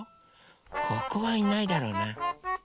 ここはいないだろうな。